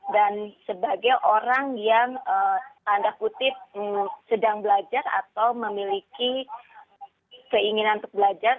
sebagai orang yang tanda kutip sedang belajar atau memiliki keinginan untuk belajar